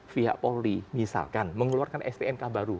pihak polri misalkan mengeluarkan stnk baru